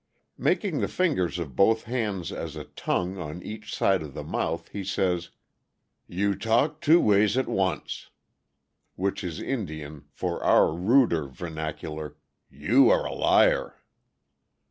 Making the fingers of both hands as a tongue on each side of the mouth, he says: "You talk two ways at once," which is Indian for our ruder vernacular: "You are a liar!"